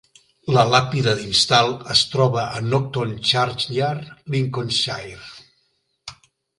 La làpida d'Insall es troba a Nocton Churchyard, Lincolnshire.